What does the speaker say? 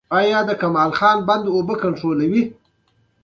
آیا د کمال خان بند اوبه کنټرولوي؟